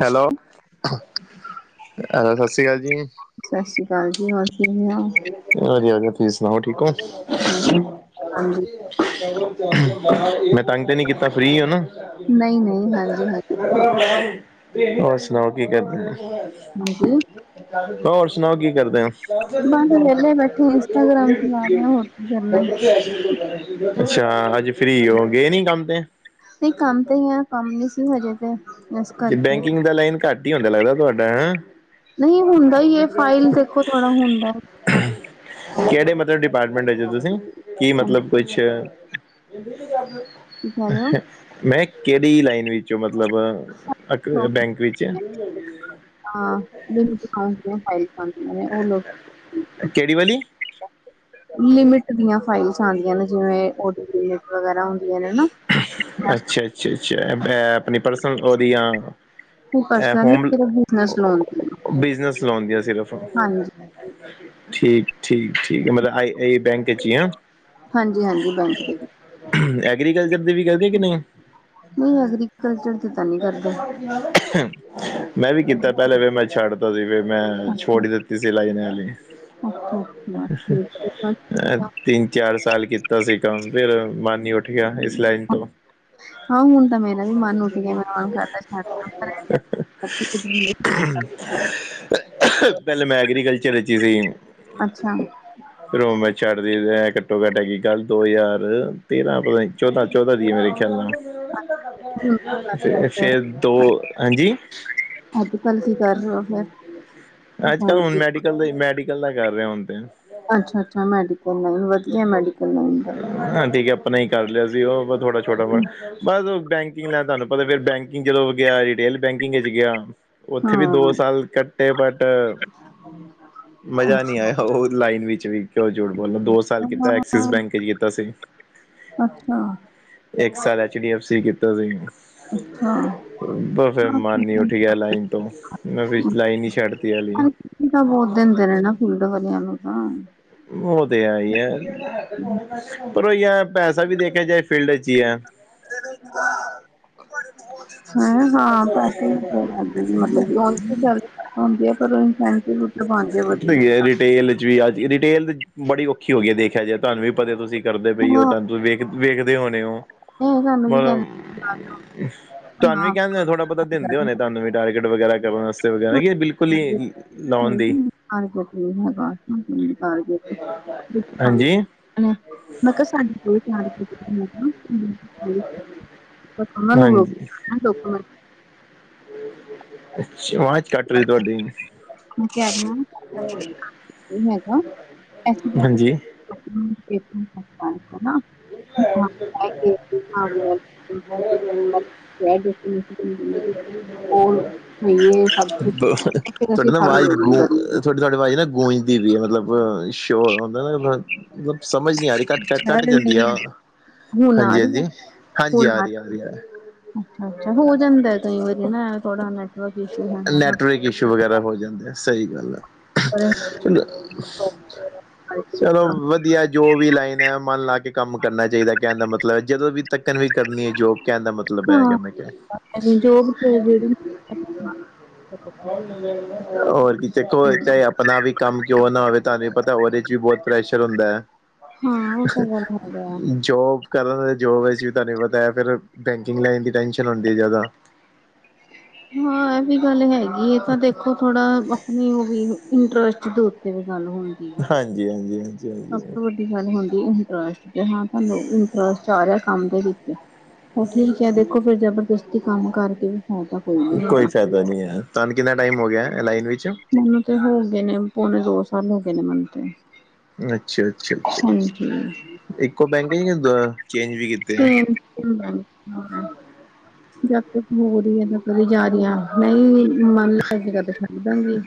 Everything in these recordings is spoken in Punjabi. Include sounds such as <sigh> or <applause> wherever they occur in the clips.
ਹੈਲੋ ਸਤਿ ਸ਼੍ਰੀ ਅਕਾਲ ਜੀ। ਸਤਿ ਸ੍ਰੀ ਅਕਾਲ ਜੀ ਹੋਰ। ਕਿਵੇਂ ਹੋ? ਵਧੀਆ। ਤੁਸੀਂ ਸੁਣਾਓ ਠੀਕ ਓ? ਹਾਂਜੀ ਮੈਂ ਤੰਗ ਤੇ ਨੀ ਕੀਤਾ ਫਰੀ ਓ ਨਾ ਨਹੀਂ ਨਹੀਂ ਹਾਂਜੀ ਹਾਂਜੀ <inaudible> ਹੋਰ ਸੁਣਾਓ ਕੀ ਕਰਦੇ ਹਾਂਜੀ ਆ-ਹੋਰ ਸੁਣਾਓ ਕੀ ਕਰਦੇ ਹੋ <inaudible> ਬਸ ਵਿਹਲੇ ਬੈਠੇ ਇੰਸਟਾਗ੍ਰਾਮ ਚਲਾ ਰਹੇ ਹਾਂ, ਹੋਰ ਕੀ ਕਰਨਾ ਹੈ। ਅੱਛਾ ਅੱਜ ਫਰੀ ਹੋ। ਗਏ ਨੀ ਕੰਮ ਤੇ ਨਈ ਕੰਮ ਤੇ ਈ ਆ, ਕੰਮ ਨੀ ਸੀ ਹਜੇ ਤੇ ਇਸ ਕਰਕੇ ਬੈਂਕਿੰਗ ਦਾ ਲਾਈਨ ਘੱਟ ਈ ਹੁੰਦਾ ਲੱਗਦਾ ਤੁਹਾਡਾ ਹੈਂ। ਨਹੀਂ ਹੁੰਦਾ ਹੀ ਇਹ ਫਾਈਲ ਦੇਖੋ ਥੋੜਾ ਹੁੰਦਾ ਕਿਹੜੇ ਮਤਲਬ ਡਿਪਾਰਟਮੈਂਟ ਤੁਸੀਂ ਕੀ ਮਤਲਬ ਕੁਛ ਕੀ ਕਹਿ ਰਹੇ ਹੋ। ਮੈਂ ਕਿਹੜੀ ਲਾਈਨ ਵਿੱਚੋਂ ਮਤਲਬ ਲੋਕ ਬੈਂਕ ਵਿਚ <unintelligible> ਲਿਮਿਟ ਕਿਹੜੀ ਵਾਲੀ ਦੀਆਂ ਫਾਈਲਸ ਆਂਦੀਆਂ ਨੇ ਜਿਵੇਂਓ ਲਿਟ ਵਗੈਰਾ ਹੁੰ <unintelligible> ਅੱਛਾ-ਅੱਛਾ ਐਪ ਪਰਸਨਲ ਉਹਦੀਆਂ ਤੂੰ ਪਸਨ ਬਜ਼ਨਸ ਲੋਨ ਦੀ ਬਿਜਨਸ ਲਾਉਦੀਆਂ ਸਿਰਫ' ਹਾਂਜੀ ਠੀਕ। ਠੀਕ ਠੀਕ ਹੈ ਮਤਲਬ ਆਈ ਇਹੀ ਬੈਂਕ 'ਚ ਹੀ ਹਾਂ ਹਾਂਜੀ ਹਾਂਜੀ ਬੈਂਕ ਦੇ <inaudible> ਐਗਰੀਕਲਚਰ ਦੀ ਵੀ ਕਰਦੇ ਕਿ ਨਹੀਂ ਹ <inaudible> ਐਗਰੀਕਲਚਰ ਤਾਂ ਨਹੀਂ ਕਰਦੇ ਹਮ ਮੈਂ ਵੀ ਕੀਤਾ ਪਹਿਲੇ ਫਿਰ ਮੈਂ ਛੱਡ ਤਾ ਸੀ ਫਿਰ ਮੈਂ ਅੱਛਾ ਛੋੜ ਦਿੱਤੀ ਸੀ ਲਾਈਨ ਐ ਲੀ ਅੱਛਾ ਅੱਛਾ ਠੀਕ <unintelligible> ਹੈ। ਤਿੰਨ ਚਾਰ ਸਾਲ ਕੀਤਾ ਸੀ ਕੰਮ ਫਿਰ ਮਾਨੀ ਉੱਠ ਗਿਆ ਇਸ ਲਾਈਨ ਤੋਂ ਹਾਂ ਹੁਣ ਤਾਂ ਮੇਰਾ ਵੀ ਮਨ ਉੱਠ ਗਿਆ ਮਦਾ ਛੱਡ <unintelligible> ਪਹਿਲਾਂ ਮੈਂ ਐਗਰੀਕਲਚਰ 'ਚ ਅੱਛਾ ਰੂਮ ਮੈਂ ਛੱਡਦੀ ਘੱਟੋ ਘੱਟ ਅਗੀ ਕੱਲ੍ਹ ਦੋ ਹਜ਼ਾਰ ਤੇਰਾਂ ਚੌਦਾਂ ਚੌਦਾਂ ਦੀ ਮੇਰੇ ਖਿਆਲ ਨਾਲ ਹੁਣ ਕਰ- ਫ ਫਿਰ ਫੇਰ ਦੋ ਹਾਂਜੀ ਅੱਜ ਕੱਲ ਕੀ ਕਰ ਰਹੇ ਹੋ ਫਿਰ ਅੱਜ ਕੱਲ ਹੁਣ ਹਾਂਜੀ, ਮੈਡੀਕਲ ਦਾ ਮੈਡੀਕਲ ਦਾ ਕਰ ਰਿਹਾ ਹੁਣ ਤੇ ਅੱਛਾ ਅੱਛਾ ਮੈਡੀਕਲ ਨਾਲ ਵਧੀਆ ਮ ਹਾਂ ਠੀਕ ਹੈ ਆਪਣਾ ਹੀ ਕਰ ਲਿਆ ਸੀ ਉਹ ਥੋੜਾ ਛੋਟਾ ਮਟ ਬਸ ਬੈਂਕਿੰਗ ਲੈਣ ਤੁਹਾਨੂੰ ਪਤਾ ਫ ਬੈਂਕਿੰਗ ਚਦੋਂ ਗਿਆ ਰਿਟੇਲ ਬੈਂਕਿੰਗ ਵਿੱਚ ਗਿਆ ਉੱਥੇ ਵੀ ਦੋ ਹਾਂ ਸਾਲ ਕੱਟੇ ਬਟ ਮਜਾ ਅੱਛਾ ਨਹੀਂ ਆਇਆ ਉਹ ਲਾਈਨ ਵਿੱਚ ਵੀ ਕਿਉਂ ਜੂਠ ਬੋਲੋ ਦੋ ਸਾਲ ਕੀਤਾ ਐਕਸਿਸ ਹਾਂ, ਬੈਂਕ ਚ ਕੀਤਾ ਸੀ ਅੱਛਾ ਇੱਕ ਸਾਲ ਐਚ ਡੀ ਐਫ ਸੀ ਕੀਤਾ ਸੀ ਅੱਛਾ ਬ ਫਿਰ ਹਾਂ, ਮਨ ਨ ਠੀਕ ਹੈ। ਉਠੀ ਗਿਆ ਲਾਈਨ ਤੋਂ ਮੈਂ ਫ ਲਾਈਨ ਨ ਛੱਡਤੀ ਆ ਲੀਨ ਤਾਂ ਬਹੁਤ ਦਿਨ ਦੇ ਰ ਨਾ ਫੁੱਲਡ ਵਾਲਿਆ ਨੂੰ ਤਾਂ ਉਹ ਤੇ ਹੈ ਹੀ ਹੈ ਪਰ ਉਹ ਪੈਸਾ ਵੀ ਦੇਖਿਆ ਜਾਏ ਫੀਲਡ ਚ ਹੀ ਹੈ ਬਤ ਹੈਂ ਹਾਂ ਪੈਸੇ ਮਤਲਬ ਹੁੰ ਹੈ ਪਰ ਉਹ ਇਨਸਾਨ ੂੱਟ ਬਣ ਜਾੇ ਵਧੀਆ ਡੀਟੇਲ ਵੀ ਅੱਜ ਰਿਟੇਲ ਬੜੀਔਖੀ ਹੋ ਗਈ ਹੈ ਦੇਖਿਆ ਜਾੇ ਤੁਹਾਨੂੰ ਵੀ ਪਤਾ ਤੁਸੀਂ ਕਰਦੇ ਪਏ ਹੋ ਹਾਂ ਤੁਹਾਨੂੰ ਤੁਸੀਂ ਵੇਖ ਵੇਖਦੇ ਹੋਣੇ ਉਹ ਇਹ ਸਾਨੂੰ ਵੀ ਕਹਿੰਦੇ ਮਤਲਬ ਸੀ ਨਾ ਤੁਹਾਨੂੰ ਬਣਾ ਵੀ ਕਹਿੰਦੇ ਨੇ ਥੋੜ੍ਹਾ ਪਤਾ ਆਪਾਂ ਦਿੰਦੇ ਕਰਦੇ ਹੋਣੇ ਨਹੀਂ ਤੁਹਾਨੂੰ ਵੀ ਡਟ ਵਗੈਰਾ ਕਰਨ ਵਾਸਤੇ ਵਗੈਰਾ ਕੀ ਬਿਲਕੁਲ ਹੀ ਲੋਨ ਦੀ ਨਹੀ ਕਾਰਟ ਨਹੀਂ ਹੈਗਾ ਕਾਰਗੇਟ ਹਾਂਜੀ <unintelligible> ਨੂੰ ਲੋਕ ਲੋਕ ਅੱਛ ਵਾ ਚ ਕੱਟ ਰਹੀ ਤੁਹਾਡੀੇ ਕਿਆ ਹੈਗਾ ਹਾਂਜੀ ਨਾ <unintelligible> <unintelligible> ਜ਼ਿੰਦਗੀ ਵਿੱਚ ਕੋਲ ਹੋਈਏ ਸਭ ਕੁਝ ਫਿਰ ਅਸੀਂ ਤੁਹਾਡੀ ਨਾ ਫਾਰਮ ਆਵਾਜ਼ ਲੋਡਿੰਗ ਗੂੰ ਕਰਨੀ ਹੈ ਤੁਹਾਡੀ ਤੁਹਾਡੀ ਆਵਾਜ਼ ਨਾ ਗੂੰਜ ਦੀ ਵੀ ਹੈ ਮਤਲਬ ਚੋਰ ਹੁੰਦਾ ਨਾ ਮਤਲਬ ਸਮਝ ਨੀ ਆ ਰਹੀ ਘੱਟ ਘੱਟ ਜਾਂਦੀ ਆ ਹੋਣ ਹਾਂਜੀ ਹਾਂਜੀ ਹਾਂਜੀ ਹੋਣ ਆ ਰਹੀ ਆ ਰਹੀ ਆ ਅੱਛਾ ਅੱਛਾ ਹੋ ਜਾਂਦਾ ਕਈ ਵਾਰੀ ਨਾ ਥੋੜਾ ਨੈਟਵਰਕ ਇਸ਼ੂ ਹੈਗਾ ਨਾ ਨੈਟਵਰਕ ਇਸ਼ੂ ਵਗੈਰਾ ਹੋ ਜਾਂਦੇ। ਸਹੀ ਗੱਲ ਆ ਪਰ ਹਾਂ <unintelligible> <unintelligible> ਵਧੀਆ ਜੋ ਵੀ ਲਾਈਨ ਹੈ। ਮਨ ਲਾ ਕੇ ਕੰਮ ਕਰਨਾ ਚਾਹੀਦਾ। ਕਹਿਣ ਦਾ ਮਤਲਬ ਜਦੋਂ ਵੀ ਤੱਕਣ ਵੀ ਕਰਨੀ ਹੈ ਜੋ ਕਹਿਣ ਦਾ ਮਤਲਬ ਹੈਗਾ। ਮੈਂ ਕਿਹਾ ਜੀ ਜੋ ਜਿਹੜੇ ਹੋਰ ਕੀ ਚਖੋ-ਚਾਹੇ ਆਪਣਾ ਵੀ ਕੰਮ ਕਿਉਂ ਨਾ ਹੋਵੇ ਤੁਹਾਨੂੰ ਪਤਾ ਉਹਦੇ ਚ ਵੀ ਬਹੁਤ ਪ੍ਰੈਸ਼ਰ ਹੁੰਦਾ। ਉਹ ਤਾਂ ਗੱਲ ਹੈਗਾ ਜੋਬ ਕਰਾਂ, ਜੋਬ ਵਿੱਚ ਧੰਨਵਾਤਾ ਫਿਰ ਲਾਈਨ ਦੀ ਟੈਨਸ਼ਨ ਹੁੰਦੀ ਹੈ ਜ਼ਿਆਦਾ ਹਾਂ, ਇਹ ਵੀ ਗੱਲ ਹੈਗੀ ਹੈ ਤਾਂ ਦੇਖੋ ਥੋੜਾ ਆਪਣੀ ਉਹ ਵੀ ਇੰਟਰਸਟ ਦੇ ਉੱਤੇ ਵੀ ਗੱਲ ਹੋਣੀ ਹਾਂਜੀ, ਹਾਂਜੀ, ਹਾਂ। ਸਭ ਤੋਂ ਵੱਡੀ ਗੱਲ ਹੁੰਦੀ ਇੰਟਰਸਟ ਤੇ ਹਾਂ ਤੁਹਾਨੂੰ ਇੰਟਰਸਟ ਆ ਰਿਹਾ। ਕੰਮ ਦੇ ਵਿੱਚ ਉਹ ਠੀਕ ਹੈ। ਦੇਖੋ ਫਰ ਜਬਰਦਸਤੀ ਕੰਮ ਕਰਕੇ ਵੀ ਹੋ ਜਾ ਕੋਈ ਫਾਇਦਾ ਨਹੀਂ ਹੈ। ਤੁਹਾਨੂੰ ਕਿੰਨਾ ਟਾਈਮ ਹੋ ਗਿਆ। ਐ ਲਾਈਨ ਵਿੱਚ ਮੈਨੂੰ ਤੇ ਹੋ ਗਏ ਨੇ ਪੌਣੇ- ਦੋ ਸਾਲ ਹੋ ਗਏ ਨੇ ਮੈਨੂੰ ਤੇ। ਅੱਛਾ, ਅੱਛਾ, ਅੱਛਾ, ਹਾਂਜੀ। ਇੱਕੋ ਬੈਂਕ ਹੈ ਜੀ ਕਿ ਦ ਚੇਂਜ ਵੀ ਕੀਤੇ ਆ। ਚ ਹ <unintelligible> <inaudible> ਜਦ ਕੁਛ ਹੋ ਰਹੀ ਨਾ ਕਦੀ ਜਾ ਰਹੀ ਹ, ਮੈਂ ਮੰਨ ਲੈ ਜ ਕ ਤੇ ਛੱਡ ਦਾਂਗੀ।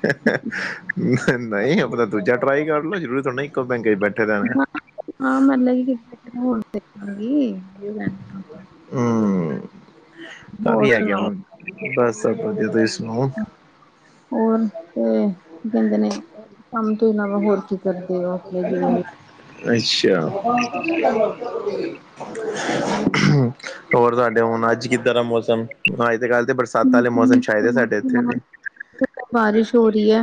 ਨਹੀਂ, ਉਹ ਤਾਂ ਦੂਜਾ ਟਰਾਈ ਕਰ ਲ ਲੋ ਜ਼ਰੂੂਰ ਥੜਾ ਇੱਕੋ ਬੈਂਕੇ ਚ ਬੈਠੇ ਰਣਾ। ਹਾਂ ਹਾਂ, ਮੰਨ ਲ ਕਿ ਕਿ ਹੋਣਗੀ। ਹਮਮ ਤਾਂਭ ਹੋਰ ਆ ਕਿ ਸੁਣਾਓ ਹਣ। ਬਸ, ਸਭ ਵਧੀਆ। ਤੁਸੀਂ ਸੁਣਾਓ? ਹੋਰ ਤੇ ਕੀ ਕਹਿੰਦੇ ਨੇ ਕੰਮ ਤੋਂ ਇਲਾਵਾ ਹੋਰ ਕੀ ਕਰਦੇ ਹੋ? ਆਪਣੇ ਜਿਵੇਂ- ਅੱਛਾ। ਹੋਰ, ਤੁਡੇ ਹੁਣ ਅੱਜ ਕਿੱਦਾਂ ਦਾ ਮੌਸਮ। ਅੱਜ ਦੇ ਕੱਲ੍ਹ ਤੇ ਬਰਸਾਤਾਂ ਹਮ, ਵਾਲੇ ਮੌਸਮ ਚਛਾਏਦੇ ਸਾਡੇ ਇੱਥੇ ਹਮ, ਵੀ ਹੋਰ ਬਾਰਿਸ਼ ਹੋ ਰਹੀ ਹੈ।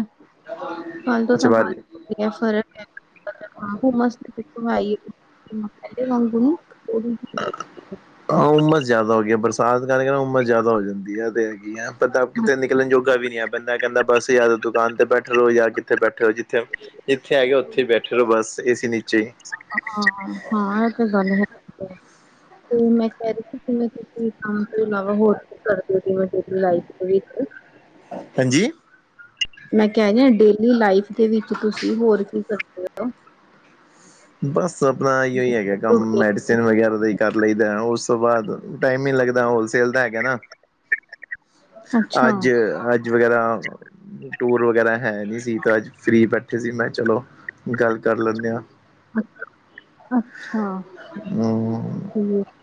ਫੱਲ ਤੋਂ ਅੱਛਾ ਤਾਂ ਬਾਜੀ ਬਾਰਿਸ਼ ਹੋ ਰਹੀ ਹੈ। ਫਰਕ ਹਾਂ, ਮਸਤ <inaudible> ਆ ਵਾਂਗੁ ਹਾਂ, ਉਮਸ ਜ਼ਿਆਦਾ ਹੋ ਗਿਆ। ਬਰਸਾਤ ਕਾਰ ਨਾ ਉਮਸ ਜ਼ਿਆਦਾ ਹੋ ਜਾਂਦੀ ਏ ਪਤਾ ਕਿਤੇ ਨਿਕਲਣ ਜੋ ਵੀ ਨੀ ਬੰਦਾ ਕਹਿੰਦਾ- ਬੱਸ ਯ ਦੁਕਾਨ ਤੇ ਬੈਠੇ ਰੋ ਜਾਂ ਕਿੱਥੇ ਬੈਠੇ ਹੋ। ਜਿੱਥੇ ਜਿੱਥੇ ਆ ਗਿਆ ਉੱਥੇ ਹੀ ਬੈਠੇ ਰਹ ਬੱਸ ਏ ਨੀਚੇ ਹੀ। ਹਾਂ, ਹਾਂ, ਆ ਤੇ ਗੱਲ ਹੈ--ਗ--ਏ ਤੇ ਮੈਂ ਕਹਿ ਰਹੀ ਸੀ। ਕਿਵੇਂ ਤੁਸੀਂ ਕੰਮ ਤੋਂ ਇਲਾਵਾ ਹੋਰ ਕੁਛ ਕਰਦੇ ਹੋ। ਕਿਵੇਂ ਲਾਈਟ ਵੀ ਨਹੀ ਹਾਂਜੀ ਮੈਂ ਕਿਹਾਹਿ ਜ ਡੇਲੀ ਲਾਈਫ ਦੇ ਵਿੱਚ ਤੁਸੀਂ ਹੋਰ ਕੀ ਕਰਦੇ ਹੋ! ਬਸ, ਆਪਣਾ ਇੋ ਹੀ ਹੈਗਾ ਕੰਮ ਹੋ ਮੈਡੀਸਿਨ ਵਗੈਰਾ ਦਾ ਹੀ ਕਰ ਲਈਦਾ।। ਉਸ ਤੋਂ ਬਾਅਦ ਟਾਈਮ ਨੀ ਲੱਗਦਾ। ਹੋਲਸੇਲ ਦਾ ਹੈਗਾ ਨਾ। ਅੱਛਾ ਅੱਜ, ਅੱਜ, ਵਗੈਰਾ ਟੂਰ ਵਗੈਰਾ ਹੈ ਨਹੀਂੀ ਸੀ। ਤਾਂ ਅੱਜ ਫਰੀ ਜਂ ਮੈਂ ਚਲੋ, ਗੱਲ ਕਰ ਲੈਂਦੇ ਹਾਂ‌। ਅੱਛਾ, ਹਮ ਠੀਕ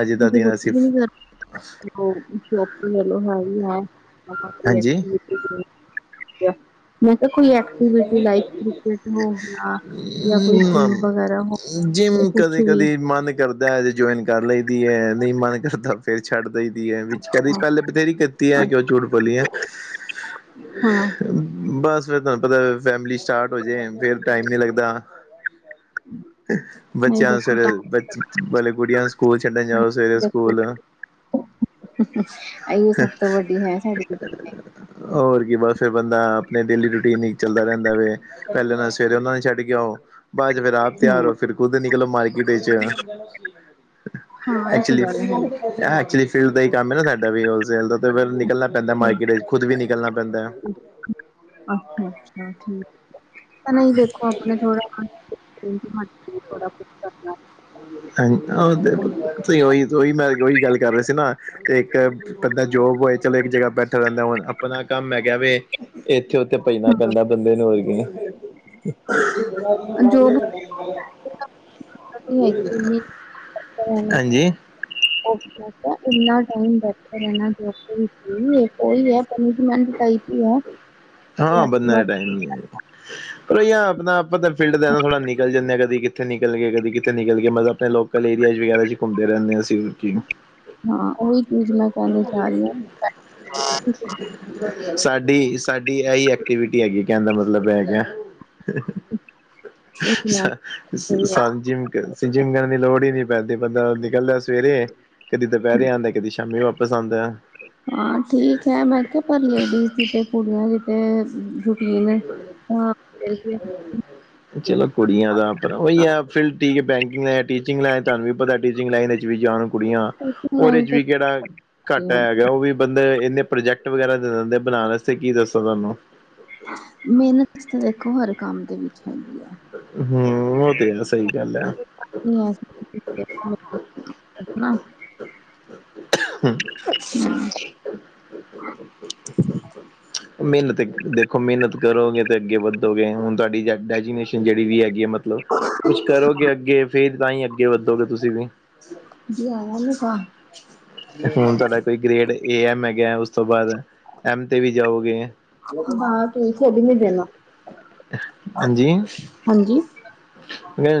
ਅੱਜ ਮ ਦਾ ਗ ਦਿਨ ਅਸੀਂ ਵੀ ਨ <inaudible> ਹੋ ਸ਼ੋ ਗਲੋ ਹੈ ਹੈ ਹਾਂਜੀ <unintelligible> <inaudible> ਮੈਂ ਤਾਂ ਕੁਈ ਜਾਂ ਕੋਈ ਜਿਮ ਵਗੈਰਾ ਹੋ ਜਿ ਗਿਆ ਕੁਛ ਕਦੇ, ਵੀ ਕਦੇ, ਮਨ ਕਰਦਾ ਹੈ, ਜੇ ਜੁਆਇਨ ਕਰ ਲਈਦੀ ਹੈ। ਨਹੀਂ, ਮਨ ਕਰਦਾ ਫੇਰ ਛੱਡ ਦ ਹੀ ਦੀ ਹੈ ਵਿੱਚ ਕਹਿੰਦੀ ਪਹਿਲੇ ਬਥੇਰੀ ਕੱਤੀ ਆ, ਹਾਂ ਕਿਉਂ ਝੂਠ ਪੋਲੀ ਐ ਬਸ। ਫਿਰ ਤੁਹਾਨੂੰ ਪਤਾ ਫੈਮਲੀ ਸਟਾਰਟ ਹੋ ਜਾੇ, ਫਿਰ ਟਾਈਮ ਨੀ ਲੱਗਦਾ। ਨਹੀਂ ਬੱਚਿਆਂ ਨੂੰ ਦੇਖੋ ਸਵੇਰੇ ਟਾਈਮ ਬ ਵਾਲੇ ਕੁੜੀਆਂ ਨੂੰ ਸਕੂਲ ਛੱਡਣ ਜਾਓ। ਸਵੇਰੇ ਸਕੂਲ ਅਈਓ ਸਬ ਤੋ ਵਡੀ ਹੈ ਸਾਡੀੇ ਹੋਰ ਕੀ ਬਸ ਫੇਰ ਬੰਦਾ, ਅਪਨੇ ਡੇਲੀ ਟੀਨਇਚ ਚਲਦਾ ਰੈਂਦਾ ਵੇ, ਪੈਲੇ ਨਾ ਸਵੇਰੇ ਓਨਾਂ ਨੂ ਛਡ ਕੇ ਆਓ, ਬਾਦ ਚ ਫੇਰ ਆਪ ਤੇਆਰ ਹਮ ਹੋ ਫਿਰ ਖੂਦ ਨਿਕਲੋ ਮਾਰਕਿਟ ਇਚ, ਹਾਂ ਇਹ ਤੇ ਐਕਚੁਲੀ ਗੱਲ ਹੈ ਐਕਚੁਲੀ ਫੀਲਡ ਦਾ ਈ ਕੰਮ ਏਨਾ ਸਾਡਾ ਵੀ ਹੋਲਸੇਲ ਦਾ ਫੇਰ ਨਿਕਲਨਾ ਪੈਂਦਾ ਮਾਰਕੀਟ ਇਚ, ਖੁਦ ਵੀ ਨਿਕਲਨਾ ਪੈਂਦਾ। ਅੱਛਾ, ਅੱਛਾ ਠੀਕ ਤਾਂ ਨਈ ਦੇਖੋ ਅਪਣੇ ਥੋੜਾ <unintelligible> ਓਈ, ਓਈ ਮੈਂ ਓਈ ਗਾਲ ਕਾਰ ਰੇਆ ਸੀ ਨਾ ਤੇ ਇੱਕ ਬੰਦਾ ਜੋਬ ਹੋਏ ਚਲੋ ਇੱਕ ਜਗਾ ਬੈਠਾ ਰਹਿੰਦਾ ਹੁਨ ਅਪਨਾ ਕੰਮ ਹੈਗਾ ਵੇ। ਏਥੇ ਉਥੇ ਭਜਨਾ ਕਰਨਾ ਪੈਂਦੈ ਬੰਦੇ ਨੂ ਹੋਰ ਕੀ <unintelligible> ਜੋ <unintelligible> <unintelligible> ਹਾਂਜੀ ਇਨਾ ਟਾਈਮ ਬੈਠੇ ਰਹਿਣਾ <unintelligible> ਉਈ ਏ। <unintelligible> <inaudible> ਏ ਆਪਨਾ ਆਪਾਂ ਤਾਂ ਫਿਲਡ ਦਾ ਥੋੜਾ ਨਿਕਲ ਜਾਨੇ ਆਂ ਕਦੀ ਕਿੱਥੇ ਨਿਕਲਗੇ ਕਦੀ ਕਿੱਥੇ ਨਿਕਲਗੇ ਮਤਲਬ ਪਹਿਲੋਂ ਕਲ ਏਰੀਆ 'ਚ ਵੀ ਕਹਿ ਰਹੇ ਘੁੰਮ ਫਿਰ ਆਣੇ ਅਸੀ ਹਾਂ ਓਈ ਚੀਜ ਮੈਂ ਕਹਿਨੀ ਚਾਅ ਰਹੀ ਆਂ ਸਾਡੀ- ਸਾਡੀ ਏਹੀ ਐਕਟੀਵਿਟੀ ਹੈਗੀ ਏ ਕਹਿਨ ਦਾ ਮਤਲਬ ਏ ਹੈਗਾ। <unintelligible> ਜਿਮ ਕਰਨ ਦੀ ਲੋੜ ਈ ਨੀ ਪੈਂਦੀ ਬੰਦਾ ਨਿਕਲਦਾ ਸਵੇਰੇ ਕਦੀ ਦੁਪਿਹਰੇ ਆਂਦਾ ਕਦੀ ਸ਼ਾਮੀ ਵਾਪ ਪ ਆਂਦਾ। ਹਾਂ ਠੀਕ ਹੈ ਮੈਂ ਕਿਹਾ ਪਰ ਲੇਡੀਜ਼ ਦੀ ਤੇ ਕੁੜੀਆਂ ਦੀ ਤੇ ਰੂਟੀਨ ਏ। <unintelligible> <inaudible> ਚਲੋ ਕੁੜੀਆਂ ਦਾ ਆਪਨਾ ਓਈ ਟੀਚਿੰਗ ਹੈ ਫੀਲਡ ਠੀਕੈ ਬੈਂਕਿੰਗ ਲੇਨ ਟੀਚਿੰਗ ਲੇਨ ਤੂਆਨੂ ਵੀ ਪਤਾ ਟੀਚਿੰਗ ਲਾਈਨ ਇਚ ਵੀ ਜਾਣ ਕੁੜੀਆਂ ਓਦੇ ਲਾਈਨ 'ਚ ਤੇ ਵੀ ਕਿਹੜਾ ਘਾਟਾ ਕੁੜੀਆਂ ਦੀ। ਹੈਗਾ ਓ ਵੀ ਬੰਦੇ ਇਨੇ ਪ੍ਰੋਜੈਕਟ ਵਗੈਰਾ ਦੇ ਦੇਂਦੇ ਬਨਾਨ ਆਸਤੇ ਕੀ ਦਸਾਂ ਤੂਆਨੂ ਮੇਹਨਤ ਤੇ ਦੇਖੋ ਹਰ ਕੰਮ ਦੇ ਵਿਚ ਹੈਗੀ ਐ। ਹੂੰ ਓ ਤੇ ਹੈ ਸਈ ਗੱਲ ਐ। <unintelligible> <inaudible> ਮੇਹਨਤ ਦੇਖੋ ਮੇਹਨਤ ਕਰੋਗੇ ਤੇ ਅਗੇ ਵੱਧੋਗੇ ਹੁਨ ਤੁਆਡੀ ਡੈਜੀਨੇਸ਼ਨ ਜੇੜੀ ਵੀ ਹੈਗੀ ਏ ਮ ਕੁਛ ਕਰੋਗੇ ਅਗੇ ਫੇਰ ਤਾਂਈ ਅਗੇ ਵੱਧੋਗੇ ਤੁਸੀ ਵੀ <unintelligible> ਹੁਨ ਤੁਹਾਡਾ ਕੋਈ ਗ੍ਰੇਡ ਏ ਐਮ ਹੈਗਾ ਉਸ ਤੋ ਬਾਦ ਐਮ ਤੇ ਵੀ ਜਾਓਗੇ। <unintelligible> ਹਾਂਜੀ ਹਾਂਜੀ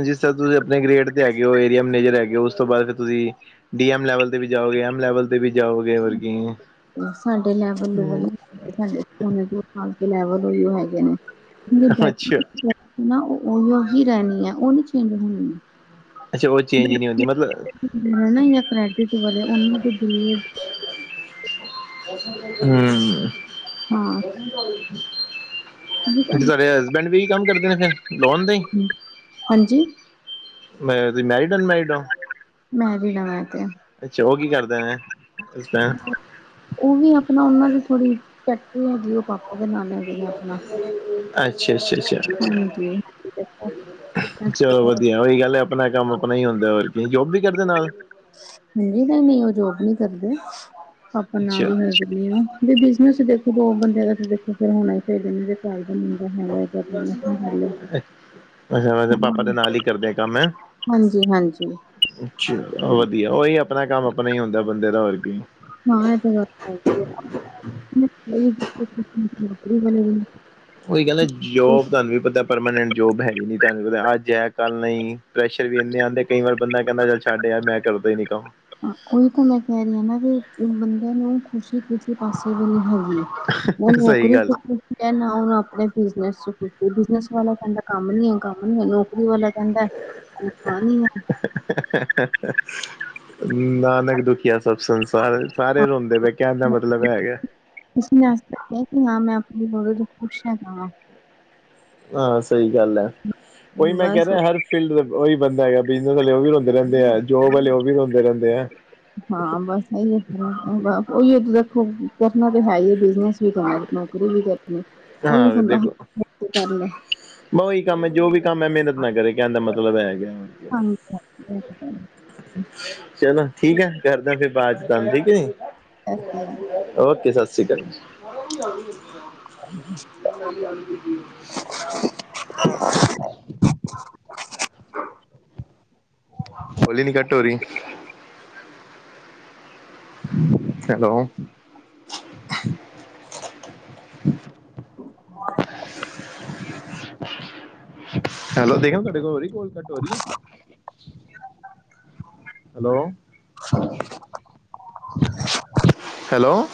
ਜਿਸ ਤਰਾਂ ਤੁਸੀ ਅਪਨੇ ਗ੍ਰੇਡ ਤੇ ਹੈਗੇ ਓ ਏਰੀਆ ਮਨੇਜਰ ਹੈਗੇ ਓ ਉਸ ਤੋ ਬਾਦ ਤੇ ਤੁਸੀ ਡੀ ਐਮ ਲੈਵਲ ਤੇ ਵੀ ਜਾਓਗੇ ਐਮ ਲੈਵਲ ਵੀ ਜਾਓਗੇ ਹੋਰ ਕੀ ਹੂੰ। ਸਾਡੇ ਲੈਵਲ ਲੂਵਲ ਅੱਛਾ <unintelligible> ਨਾ ਓਈ ਹੀ ਰਹਿਨੀਐ ਓਨੀ ਚੇਂਜ ਹੋਨੀ। ਅੱਛਾ ਓ ਚੇਂਜ ਈ ਨੀ ਹੁੰਦੀ ਮਤਲਬ <unintelligible> <inaudible> ਹੂੰ ਹਾਂ ਵੀ <unintelligible> ਤੁਹਾਡੇ ਹਸਬੈਂਡ ਵੀ ਇਹੀ ਕੰਮ ਕਰਦੇ ਨੇ ਫਿਰ ਲੋਨ ਦਾ ਹੀ ਤੁਹਾਡੀ- ਹਾਂਜੀ ਮੈਂ ਤੁਸੀ ਮੈਰੀਡ ਅਨਮੈਰੀਡ ਹੋ। ਮੈਰੀਡ ਆ ਮੈ ਤੇ ਅੱਛਾ ਉਹ ਕੀ ਕਰਦਾ ਨੇ। ਅੱਛਾ ਉਹ ਵੀ ਆਪਣਾ ਉਹਨਾਂ ਦੀ ਥੋੜ੍ਹੀ ਫੈਕਟਰੀ ਹੈਗੀ ਐਂ ਉਹ ਪਾਪਾ ਦੇ ਨਾਲ ਹੈ। ਅੱਛਾ-ਅੱਛਾ <unintelligible> ਚਲੋਂ ਵਧੀਆ ਉਹੀ ਗੱਲ ਐ ਆਪਣਾ ਕੰਮ ਆਪਣਾ ਹੀ ਹੁੰਦਾ ਹੋਰ ਕੀ ਜੋਬ ਵੀ ਕਰਦੇ ਨਾਲ ਨਈ ਨਈ ਓ ਜੋਬ ਨੀ ਕਰਦੇ, ਪਾਂਪਾ ਅੱਛਾ ਨਾਲ ਈ ਹ ਵੀ ਬਿਜਨਸ ਦੇਖੋ ਦੋ ਬੰਦੇਆਂ ਦਾ ਦੇਖੋ ਫੇਰ ਹੋਨਾ ਈ ਚਾਈਦਾ ਨੇ <unintelligible> ਅੱਛਾ, ਵੈਸੇ ਪਾਪਾ ਦੇ ਨਾਲ ਈ ਕਰਦੇ ਆ ਕੰਮ ਐ। ਅੱਛਾ, ਵਦੀਆ ਓਈ ਆਪਨਾ ਕੰਮ ਆਪਨਾ ਈ ਹੁੰਦਾ ਬੰਦੇ ਦਾ ਹੋਰ ਕੀ। ਹਾਂ ਐ ਤੇ ਹੈਗੀ <unintelligible> ਓਈ ਗਾੱਲ ਕੋਈ ਜੋਬ ਤੋਆਨ ਵੀ ਪਤਾ ਪਰਮਾਨੈਂਟ ਜੋਬ ਹੈਗੀ ਨੀ, ਤੋਆਨ ਪਤਾ ਆੱਜ ਹੈ ਕਾੱਲ ਨਈ। ਪ੍ਰੈਸ਼ਰ ਵੀ ਏਨੇ ਆਂਦੇ ਕਈ ਵਾਰ ਬੰਦਾ ਕੈਂਦਾ ਚੱਲ ਛਾੱਡ ਯਾਰ ਮੈਂ ਕਰਦਾ ਈ ਨੀ ਕਾੰਮ। ਓਈ ਤਾਂ ਮੈਂ ਕੈਰੀ ਆ ਨਾ, ਵੀ ਬੰਦੇ ਨੂੰ ਖੁਸ਼ੀ ਪਾਸੇ ਵੀ ਨੀ ਹੈਗੀ, ਓ ਸਹੀ ਨੋਕਰੀ ਗੱਲ ਸ਼ੋਕਰੀ ਕੈ ਨਾ ਓਨਾ ਆਪਨੇ ਬਿਜਨਸ <unintelligible> ਬਿਜਨਸ ਵਾਲਾ ਕੈਂਦਾ ਕੰਮ ਨੀ ਐ, ਕੰਮ ਨੀ ਨੋਕਰੀ ਵਾਲਾ ਕੈਂਦਾ ਤਨਖਾਹ ਨੀ ਐ। <unintelligible> ਨਾਨਕ ਦੁਖੀਆ ਸਭ ਸੰਸਾਰ, ਸਾਰੇ ਰੋਂਦੇ ਪੇ ਕੈਨ ਦਾ ਮਤਲਬ ਐ ਹੈਗਾ। <unintelligible> ਹਾਂ ਸਈ ਗੱਲ ਐ, ਓਈ ਮੈਂ ਕੈ ਬਸ ਰੇਆ ਹਰ ਫੀਲਡ ਦਾ ਓਈ ਬੰਦਾ ਹੈਗਾ, ਬਿਜਨਸ ਆਲੇ ਓ ਵੀ ਰੋਂਦੇ ਰੈਂਦੇ ਆ, ਜੋਬ ਆਲੇ ਓ ਵੀ ਰੋਂਦੇ ਰੈਂਦੇ ਐ। ਹਾਂ ਬਾੱਸ ਐਈਓ <unintelligible> ਓਈਯੋ ਵੇਖੋ ਕਰਨਾ ਤੇ ਹੈਈ ਏ ਬਿਜਨਸ ਵੀ ਕਾੱਰ‌ ਮ ਹਾਂ <unintelligible> ਬਾ ਓਈ ਕਾੰਮ ਏ ਜੋ ਵੀ ਕੰਮ ਏ ਮੇਨਤ ਨਾ ਕਰੇ ਕੈਨ ਦਾ ਮਤਲਬ ਐ ਹੈਗਾ। ਹਾਂਜੀ <unintelligible> ਚਲੋ ਠੀਕ ਐ, ਕਰਦਾ ਫੇਰ ਬਾਦ ਚ ਤੋਆਨ ਠੀਕ ਏ। ਅੱਛਾ। ਓਕੇ, ਸਾਸੀ ਕਾਲ। <unintelligible> ਕੋਲੀ ਈ ਨੀ ਕੱਟ‌ ਹੋਰੀ। ਹੈਲੋ। <unintelligible> ਹੈਲੋ, ਦੇਖਨਾ ਤੋਆਡੇ ਕੋਲ ਹੋਰੀ ਕੋਲ ਕਟ ਹੋਰੀ ਐ। ਹਲੋ। ਹਾ <unintelligible> ਹੈਲੋ।